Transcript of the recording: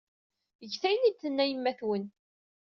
Get ayen ay d-tenna yemma-twen.